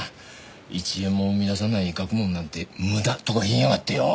「一円も生み出さない学問なんて無駄」とか言いやがってよー。